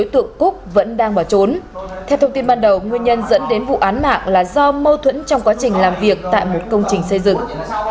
theo thông tin ban đầu nguyên nhân dẫn đến vụ án mạng là do mâu thuẫn trong quá trình làm việc tại một công trình xây dựng